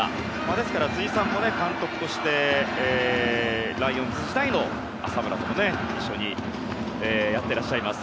ですから辻さんも監督としてライオンズ時代の浅村とも一緒にやっていらっしゃいます。